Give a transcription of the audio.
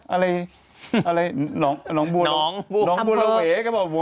อะไรน้องบัวละเว